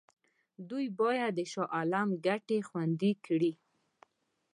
دوی باید د شاه عالم ګټې خوندي کړي.